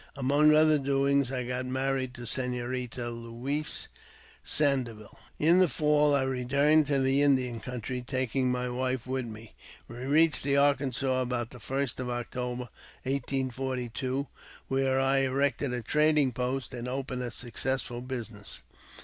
Among other doings, I got married to Senorita Xiouise Sandeville. In the fall I returned to the Indian country, taking my wife with me. We reached the Arkansas about the first of October, 1842, where I erected a trading post, and opened a successful business.